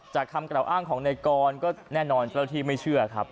คำกล่าวอ้างของในกรก็แน่นอนเจ้าที่ไม่เชื่อครับ